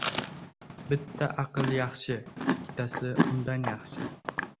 • Bitta aql yaxshi, ikkitasi undan yaxshi.